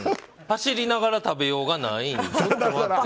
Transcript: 走りながら食べようがないんです。